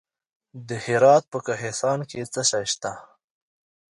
د هرات په کهسان کې څه شی شته؟